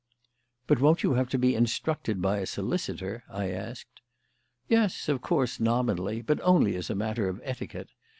"But won't you have to be instructed by a solicitor?" I asked. "Yes, of course, nominally; but only as a matter of etiquette.